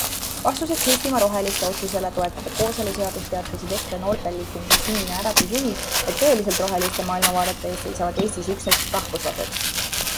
Vastuseks Eestimaa Roheliste otsusele toetada kooseluseadust, teatasid EKRE noorteliikumise Sinine Äratus juhid, et tõeliselt rohelise maailmavaate eest seisavad Eestis üksnes rahvuslased.